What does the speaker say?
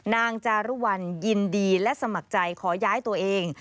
จารุวัลยินดีและสมัครใจขอย้ายตัวเอง